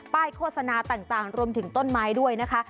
โฆษณาต่างรวมถึงต้นไม้ด้วยนะคะ